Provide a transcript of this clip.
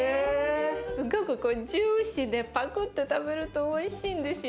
すごくジューシーでパクッて食べるとおいしいんですよ。